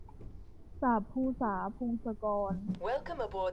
สาปภูษา - พงศกร